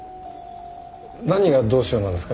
何が「どうしよう」なんですか？